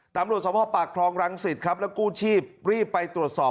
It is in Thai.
ตามรวจสภพภาพพร้องรังศิษฐ์ครับและกู้ชีพรีบไปตรวจสอบ